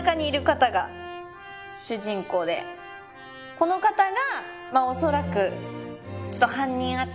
この方がまぁ恐らく。